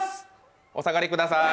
お下がりください。